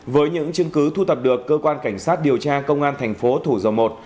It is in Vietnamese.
với những chứng cứ thu tập được cơ quan cảnh sát điều tra công an thành phố thủ dầu một